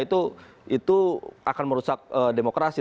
itu akan merusak demokrasi